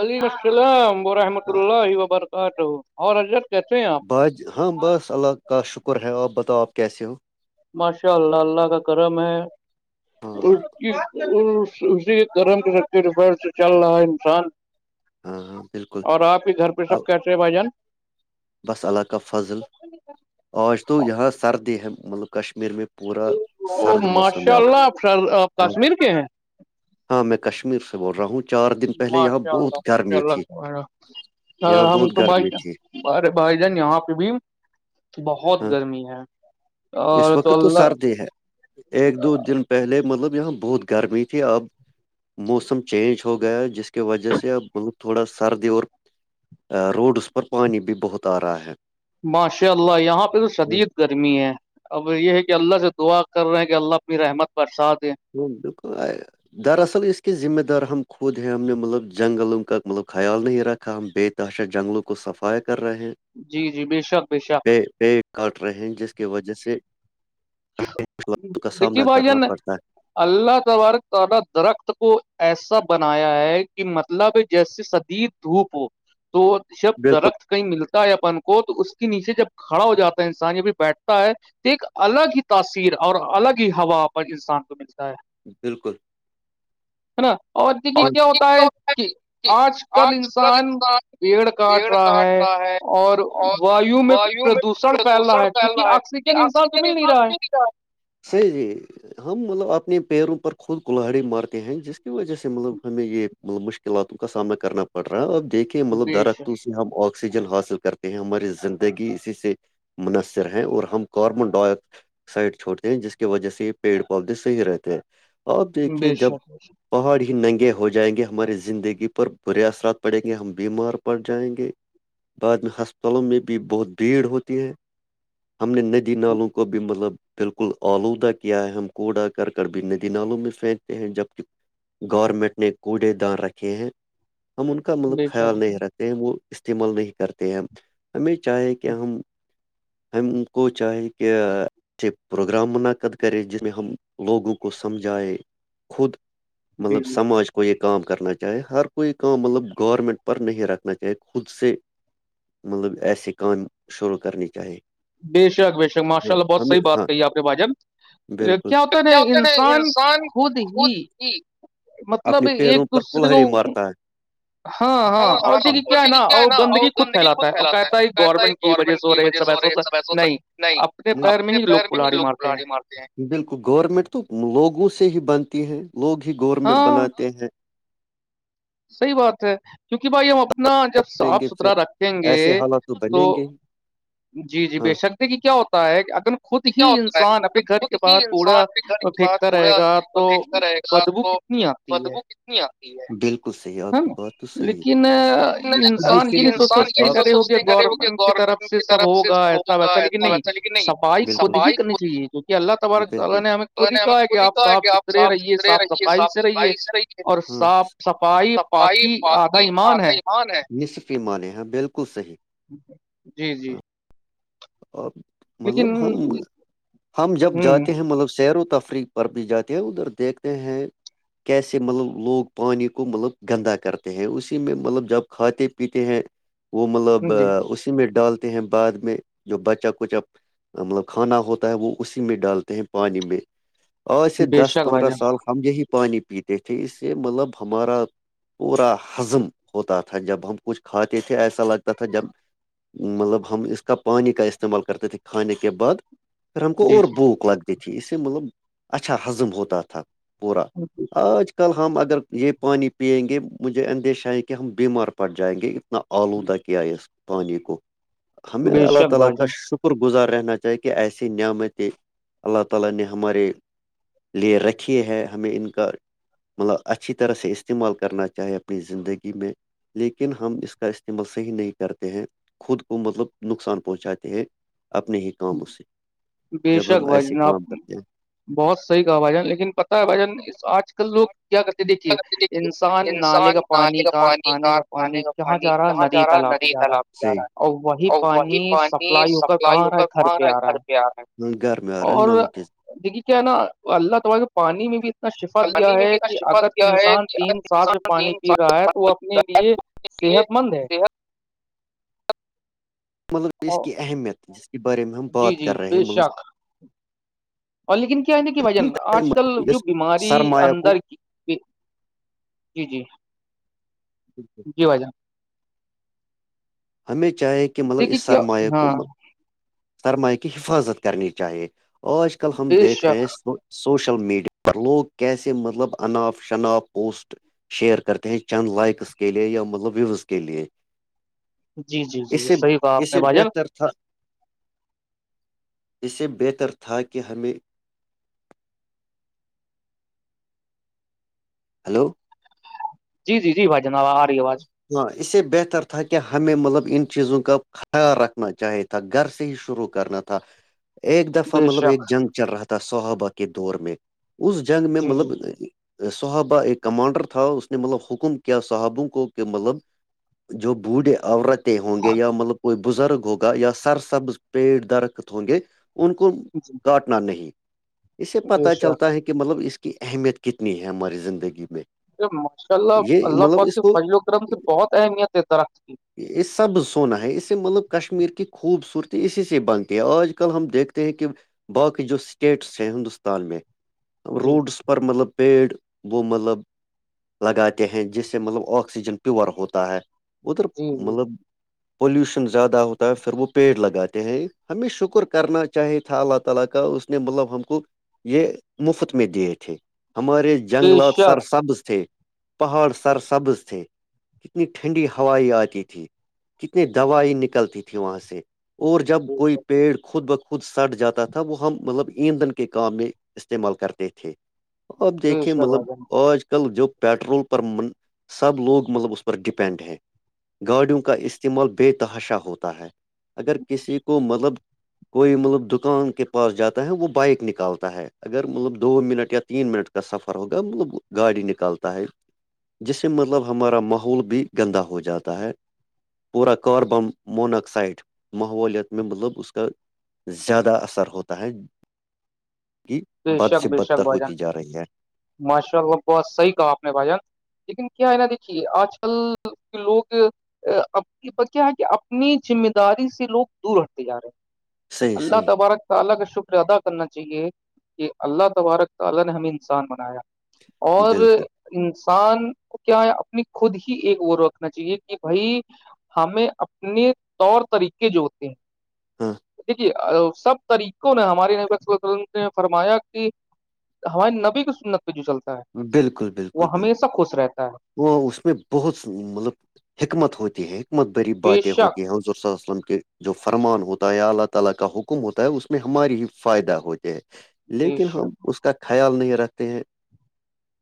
علی السلام ورحمۃ اللہ وبرکاتہ اور حضرت کیسے ہیں اپ اج ہم بس اللہ کا شکر ہے اپ بتاؤ اپ کیسے ہو ماشاءاللہ اللہ کا کرم ہے ہاں سے چل رہا ہے انسان ہاں ہاں بالکل اور اپ کے گھر پہ اب سب کیسے ہیں بھائی جان بس اللہ کا فضل اور آج تو یہاں سردی ہے ملک کشمیر میں پورا سرد موسم ہے آپ ماشاءاللہ ہاں میں کشمیر سے چار دن پہلے یہاں ماشاءاللہ بہت گرمی تھی یہاں بہت گرمی تھی ارے بھائی جان یہاں پہ بھی ہاں اس اور وقت تو سر اللہ دے ہے ایک دو دن پہلے مطلب یہاں موسم چینج ہو گیا جس کی وجہ سے اب بہت تھوڑا سردی اور روڈ اس پر پانی بھی بہت ا رہا ہے ماشاء اللہ یہاں پہ تو شدید گرمی ہے اب یہ ہے کہ اللہ سے دعا کر رہے ہیں کہ اللہ اپنی رحمت برسا دے جی بالکل دراصل اس کی ذمہ دار ہم خود ہیں ہم نے ملک جنگلوں کا ملک خیال نہیں رکھا داشت جنگوں کو صف کررہے ہیں جی جی بے شک بے شک پے پیڑ کاٹ رہے ہیں جس کی وجہ سے مشکلات کا دیکھے سامنا بھائی کرنا جان پڑتا ہے اللہ تبارکعالا درخت کو ایسا بنایا ہے کہ مطلب جیسید دھوپ ہو تو جب بالکل درخت کہیں ملتا ہے اپن کو تو اس کے نیچے جب کھڑا ہو جاتا ہے انسان یہ بھی بیٹھتا ہے تو ایک الگ ہی تاثیر اور الگ ہی ہوا پر انسان کو ملتا ہے بالکل ہے نا اور دیکھیے کیا ہوتا ہے کہ آج کل انسان پیڑ کاٹ رہا ہے اور وایو میں پردوشن پھیل رہا ہے کیونکہ آ سے صاب تو مل نہیں رہا ہے س جی ہم مطلب اپنے پیروں پر خود کلہڑی مارتے ہیں جس کی وجہ سے مطلب ہمیں یہ ملب مشکلاتوں کا سامنا کرنا پڑ رہا ہے اب دیکھے مطلب بے شک درختو ہم آکسیجن حاصل کرتے ہیں ہماری زندگی اسی سے منحصر ہیں اور ہم کاربن ڈائی سائڈ چھوڑتے ہیں جس کی وجہ سے یہ پیڑ پودے صحیح رہتے ہیں ا دیکھیے بے جب شک پہاڑی ننگے ہو جائیں گے ہماری زندگی پر برے اثرات پڑیں گے ہم بیمار پڑ جائیں گے بعد میں ہسپتالوں میں بھی بہت بھیڑ ہوتی ہے ہم نے ندی نالوں کو بھی مطلب بالکل آلودہ کیا ہے ہم کوڑا کرک بھی ندی نالوں میں پھینکتے ہیں جبک گورنمنٹ نے کوڑے دان رکھے ہیں ہم ان کا مطلب بے شک خیال نہیں رکھتے وہ استعمال نہیں کرتے ہیں ہمیں چاہیں کہ ہم ہم کو چاہے کہ سے پروگرام منعقد کرے جس میں ہم لوگوں کو سمجھائے خود جی مطلب جی سماج کو یہ کام کرنا چاہے ہر کوئی کام مطلب گورنمنٹ پر نہیں رکھنا چاہے خود سے مطلب ایسے کام شروع کرنی چاہے بے شک بے شک ماشاء اللہ بہت صحی بات کہی آپ نے باجن کیا ہوتا نا انسان خود ہی مطلب اپنی ایک پیروں پر دوسرے کو کللہڑی مارتا ہے ہاں ہاں اور دیکھیے کیا ہے نا اور گندگی خود پھیلاتا ہے کہتا ہے گورنمنٹ کی وجہ سے ہو رہے سب ایسا نہیں اپنے پیر میں ہی لوگ گلاڑی مارتے ہیں بالکل گورمنٹ تو لوگوں سے ہی بنتی ہیں لوگ ہی گورمنٹ ہاں بناتے ہیں صحیح بات ہے کیونکہ بھائی ہم اپنا جب کریں صاف گے پھر ستھرا رکھیں گے ایسے حالات تو بنیں گے ہی جی جی بے ہاں شکتے کہ کیا ہوتا ہے اگر خود یہ کیا ہی ہوتا ہے انسان اپبنے اگر گھر خود کے ہی باہر انسان کوڑا کے گھر کے باہر پھینکتا رہے کوڑا گا تو بدبو کتنی آتی ہے نہیں آتی ہے بالکل صحیح ہ آپ کی بات تو صحیح ہے لیکن انسان یہ نہیں سوچ انسان سوچتے یہ کر سب رہے ہوگے سوچنے کرے ہو کہ گورنمنٹ کی طرف گورنمنٹ سے کی سب طرف سے ہوگا سب ایسا ہوگا ویسا لیکن ایسا نہیں ویسا لیکن نہیں صفائی بالکل خود ہی صفائی کرنی خود چاہیے جوک کہ اللہ تبارک تعالی بالکل نے ہمیں خدا خود ہی نے ہمیں کہا ہے کہ آپ صاف کہ ستھرا آپ رہیے ستھرے صاف رہیے صفائی صاف سے رہیے صفائی سے رہیے اور ہاں صاف صفائی پاکی آدھا ایمان ہے ح نصفی مانے یہاں بالکل صحیح جی جی ا مطلب لیکن ہم ہم جب ہ جاتے ہیں مطلب سیر و تفریح پر بھی جاتی ہے ادھر دیکھتے ہیں کیسے مطلب لوگ پانی کو مطلب گندا کرتے ہیں اسی میں مطلب جب کھاتے پیتے ہیں وہ مطلب جی اسی میں ڈالتے ہیں بعد میں جو بچہ کچا مطلب کھانا ہوتا ہے وہ اسی میں ڈالتے ہیں پانی میں آج سے بے دس شک بھائی پندرہ جان سال ہم یہی پانی پیتے تھے اس سے مطلب ہمارا پورا ہضم ہوتا تھا جب ہم کچھ کھاتے تھے ایسا لگتا تھا جب مطلب ہم اس کا پانی کا استعمال کرتے تھے کھانے کے بعد پھر ہم کو جی اور بھوک لگ تھی اس سے مطلب اچھا ہزم ہوتا تھا پورا اچھ آج کل ہم اگر یہ پانی پیئیں گے مجھے اندیشہ ہے کہ ہم بیمار پڑ جائیں گے بے اللہ شک تعالی بھائی جان شکر گزار رہنا چاہیے کہ ایسی نعمتیں اللہ تعالی نے ہمارے لیے رکھیے ہے ہمیں ان کا مطلب اچھی طرح سے استعمال کرنا چاہے اپنی زندگی میں لیکن ہم اس کا استعمال صحیح نہیں کرتے ہیں خود کو مطلب نقصان پہنچاتے ہیں اپنے ہی کاموں سے بے جب شک ہم بھائی ایسے جان آپ کام کرتے ہیں بہت صحی کا بھائی جان لیکن پتاہ ہے بھائی جان اس آج کل لوگ کیا کرتے دیکھیے دیکھیے انسان نالے کا نالے پانی کا پانی کارخانے کا پانی کا کہاں پانی کہاں جا ندی رہا ہے تالاب پہ ندی جا رہا ہے تالابا اور وہی پانی کر کہاں سپلائی آ ہو رہا کا ہے پا پہ آ رہا گھر پارا گھرمارا ہے نلکے دیکھیے کیا ہے نا اللہ تبار کے پانی میں بھی شفت دیا الانی میں ہے بھی کا کہ شفا اگر دیا ہے انسان کہ تین سال سے انسان پانی تین پی رہا ہے سال تو وہ اپنے لیے کے صحت مند ہے ملک اس اور کی اہمیت جس کے بارے میں ہم جی بات جی کر رہے ہیں بے ملک شک اور لیکن کیا ہے ن کہ بھجن آج کل مطلب جو اس بیماری سرمایہ کو اندر کی جی جی جییک ہے جی بائی جان ہمیں چاہے کہ مطلب اس دیکھیے کیا سرمایہ کو ہاں سرما کی حفاظت کرنی چاہیے آج کل ہم بے دیکھ رہے شک ہیں سوشل میڈیا پر لوگ کیسے مطلب انناف شناف پوسٹ شیئر کرتے ہیں چند لائکس کے لیئے یا مطلب ویوز کے لیئے جی جی جی جی صحیح کہا آپ نے اسے بھائی جان بہتر تھا اس سے بہتر تھا کہ ہمیں ہلو جی جی جی بھائی جناب آ رہی آواز ہاں اس سے بہتر تھا کہ ہمیں مطلب ان چیزوں کا خیال رکھنا چاہے تھا گھر سے ہی شروع کرنا تھا ایک دفعہ بے مطلب ایک شک جنگ چل رہا تھا صحابہ کے دور میں اس جنگ میں جی جی مطلب صحابہ ایک کمانڈر تھاؤ اس نے مطلب حکم کیا صحابقک کہ مطلب جو بوڑھے عورتیں ہوں گے یا مطلب کوئی بزرگ ہوگ یا سر سبز پیٹ درخت ہوں گے ان کو جی پٹنا نہیں اسے بے پتا شک چلتا ہے کہ مطلب اس کی اہمیت کتنی ہے ہماری زندگی میں ماشاء اللہ یہ اللہ مطلب پاک اس کے کو فرل وکرم سے بہت اہمیت ہے درخت کی یہ سب سونا ہے اس سے مطلب کشمیر کی خوبصورتی اسی سے بنتی ہے آج کل ہم دیکھتے ہیں کہ باقی جو اسٹیٹس ہیں ہندوستان میں جی روڈس مطلب پیڑ وہ مطلب لگاتے ہیں جس سے مطلب آکسیجن پیور ہوتا ہے ادھر جی جی مطلب پولیوشن زیادہ ہوتا ہے سرو پیر لگاتے ہیں ہمیں شکر کرنا چاہے تھا اللہ تعالی کا نے مطلب ہم کو یہ مفت میں دیے تھے ہمارے بے جنگلات سر شک سبز تھے پہاڑ سر سبز تھے سے کتنی ٹھنڈی ہوائ آتی تھی کتنی دوائی نکلتی تھی وہاں سے اور جب بے کوئی شک پیڑ خود بخت خود سٹ جاتا تھا وہ ہم مطلب ایندھن کے کام میں استعمال کرتے تھے آپ بے دیکھیں شک مطلب بھائی جان آج کل جو پیٹرول پر من سب لوگ مطلب اس پر ڈپینڈ ہیں گاڑیوں کا استعمال بے تحاشا ہوتا ہے اگر کسی کو مطلب کوئی مطلب دکان کے پاس جاتا ہے وہ بائک نکالتا ہے اگر مطلب دو منٹ یا تین منٹ کا سفر ہوگا مطلب گاڑی نکالتا ہے جس سے مطلب ہمارا ماحول بھی گندا ہو جاتا ہے پورا کاربن مناکسائڈ ماحولت میں مطلب اس کا زیادہ اثر ہوتا ہے کہ بے بد سے بدتر ہوتی جا رہی ہے ماشاءلہ بہت صحی کہا آپ نے بھ جان [unintelligible] لیکن کیا ہے نا دیکھیے آج کل لوگ کیا ہے کہ اپنی ذمہ داری سے لوگ دور ہٹتے جا رہے ہیں صحیح اللہ صحیح تبارک تعالی کا شکر ادا کرنا چاہیے کہ اللہ تبارک تعالی نے ہمیں انسان بنایا اور بالکل انسان کو کیا ہے اپنی خود ہی ایک وہ رکھنا چاہیے کہ بھائی ہمیں اپنے طور طریقے جوتے ہیں ہاں دیکھیے سب طریقوں نے ہمارے فرمایا کہ ہمارے نبی کی سنت پہ جو چلتا ہے بالکل بالکل وہ بالکل ہمیشہ سب خوش رہتا ہے وہ اس میں بہت مطلب حکمت ہوتی ہے متبری بے باتیں ہوتی شک ہیں حضر ص وسلم کے [unintelligible] جو فرمان ہوتا ہے یا اللہ تعالی کا حکم ہوتا ہے اس میں ہماری ہی فائدہ ہو بے لیکن ہم شک اس کا خیال نہیں رکھتے ہیں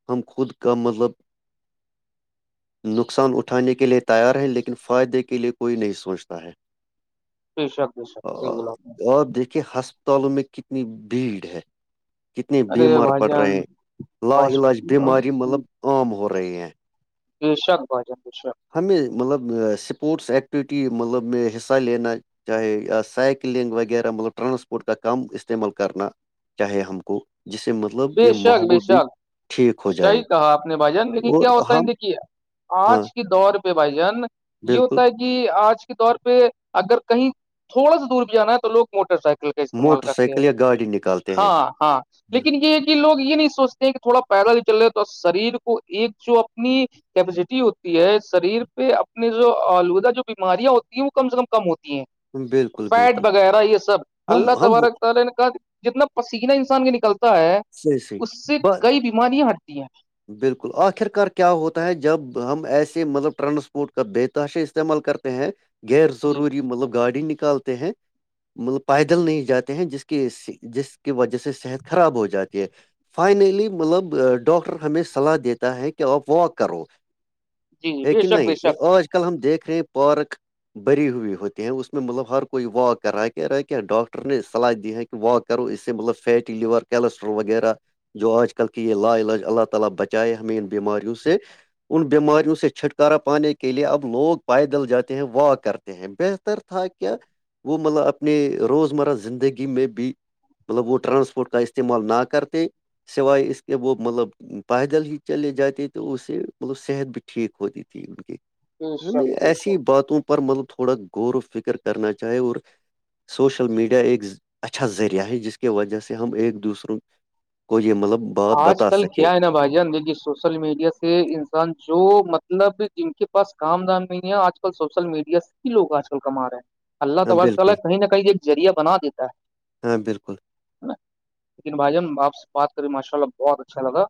ہم خود کا مطلب نقصان اٹھانے کے لیے تیار ہے لیکن فائدے کے لیئے کوئی نہیں سوچتا ہے بے شک بے شک صحیح بولا آپ نے اور دیکھیے ہسپتالوں میں کتنی بھیڑ ہے کتنے ارے بیمار بھائی پڑ رہے جان ہیں لا علاج بیماری ہاسپٹل مطلب عام ہو رہی ہیں ا شک بھجن اشک [unintelligible] ہمیں مطلب اسپورٹس ایکٹیویٹی مطلب میں حصہ لینا چاہے یا سائیکلنگ وغیرہ مطلب ٹرانسپورٹ کا کم استعمال کرنا چاہے ہم کو جسے مطلب یہ بے شک بے ماحول بھی شک ٹھیک ہو جائے صحیح کہا آپ نے بھائی جان لیکن اور کیا ہوتا ہے ہم دیک کیا ہاں آج کے دور پہ بھائی جان یہ بالکل ہوتا ہے کہ کہ آج کے دور پہ اگر کہیں تھوڑا سا دور بھی جانا ہے تو لوگ موٹر سائیکل استعمال موٹر کرتے ہیں سائیکل یا گاڑی نکالتے ہیں ہاں ہاں لیکن ہے کہ لوگ یہ نہیں سوچتے کہ تھوڑا پیدل چل رہا تو شریر کو ایک جو اپنی کیپیسٹی ہوتی ہے شریر پہ اپنی جو آلودہ جو بیماریاں ہوتی ہیں وہ کم سے کم کم ہوتی ہیں بالکل فیٹ بالکل وغیرہ یہ سب ہم اللہ ہم وہ- تبارک تعالی نے کہ جتنا پسینہ انسان کے نکلتا ہے صحیح صحیح اس سے ب کئی بیماریاں ہٹتی ہیں بالکل آخرکار کیا ہوتا ہے جب ہم ایسے مطلب ٹرانسپورٹ کا بے تحاشا استعمال کرتے [unintelligible] ہیں غیر جی ضروری مطلب گاڑی نکالتے ہیں مطلب پائیدل نہیں جاتے ہیں جس کی جس کی وجہ سے صحت خراب ہو جاتی ہے فائنلی مطلب ڈاکٹر ہمیں صلاح دیتا ہے کہ آپ واک کرو جی جی بے ہےیکن شک بے شک نہیں آج کل ہم دیکھ رہے ہیں پارک بری ہوئی ہوتی ہیں اس میں مطلب ہر کوئی واک کر رہا کہ رہا کیا ڈاکٹر نے صلاح دی ہے کہ واک کرو اس سے مطلب فیٹی لیور کیلسٹرول وغیرہ جو آج کل کے یہ لالاج اللہ تال [unintelligible] تل بچائے ہمیں ان بیماریوں سے ان بیماریوں سے چھٹکارا پانے کے لیے اب لوگ پائیدل جاتے ہیں واک کرتے ہیں بہتر تھا کیا وہ مطلب اپنے روز مرہ زندگی میں بھی مطلب وہ ٹرانسپورٹ کا استعمال نہ کرتے سوائے اس کے وہ مطلب پیدل ہی چلے جاتے تو اس سے مطلب صحت بھی ٹھیک ہوتی تھی ان کی بے ہمیں شک بے ایسی شک باتوں پر مطلب تھوڑا غور و فکر کرنا چاہے اور سوشل میڈیا ایک اچھا ذریعہ ہے جس کی وجہ سے ہم ایک دوسروں کوئی مطلب [unintelligible] آج کل سکے کیا ہے نا بھائی جان دیک سوچ [unintelligible] سوشل میڈیا سے انسان جو مطلب جن کے پاس کام دام نہیں ہے آج کل سوشل میڈیا آج کل کما رہے ہیں اللہ ہاں تبارک تعالی بالکل کہیں نہ کہیں ایک ذریہ بنا دیتا ہاں بالکل ہے ا لیکن بھائی جان آپ سے بات کری ماشاء اللہ بہت اچھا لگا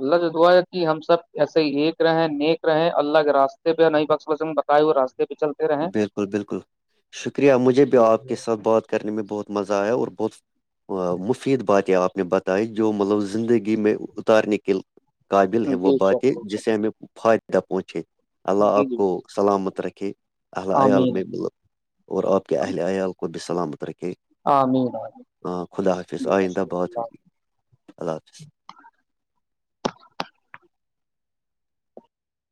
اللہ سے دعا ہے کہ ہم سب ایسے ہی ایک رہے نیک رہے اللہ کے راستے نہیںئی بکن بتائے ہوئے رستے پہ چل بالکل بالکل شکریہ مجھے بھی آپ کے ساتھ بات کرنے میں بہت مزہ آیا اور بہت مفید باتیں آپ نے بتائی جو مطلب زندگی میں اتارنے کے قابل ہیں وہ بے باتیں شک بے شک جسے ہمیں فائددہ پہنچے اللہ جی آپ جی کو سلامت رکھے اللہ عیال آمین میں اور آپ کے اہل عیال کو بھی سلامت رکھے امین امین ہاں خدا حافظ آئندہ بات اللہ ہوگی اللہ حافظ